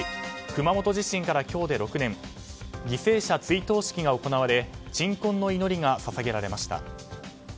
熊本地震から今日で６年犠牲者追悼式が行われ鎮魂の祈りが捧げられました。